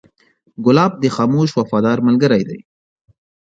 ګلاب د خاموش وفادار ملګری دی.